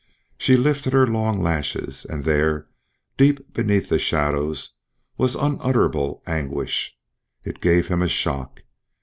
She lifted her long lashes, and there, deep beneath the shadows, was unutterable anguish. It gave him a shock.